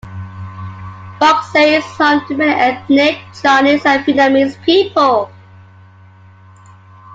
Pakse is home to many ethnic Chinese and Vietnamese people.